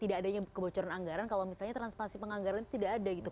tidak adanya kebocoran anggaran kalau misalnya transpasi penganggaran itu tidak ada gitu